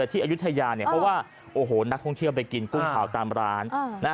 ที่อายุทยาเนี่ยเพราะว่าโอ้โหนักท่องเที่ยวไปกินกุ้งเผาตามร้าน